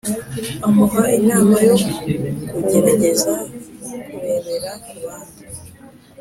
Amuha inama yo kugerageza kurebera kubandi